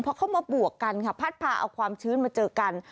พอเข้ามาบวกกันค่ะพัดพาเอาความชื้นมาเจอกัน